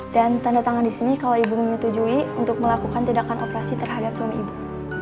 dan tanda tangan di sini kalau ibu menyetujui untuk melakukan tindakan operasi terhadap suami ibu